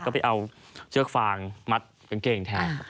ก็ไปเอาเชือกฟางมัดกางเกงแทน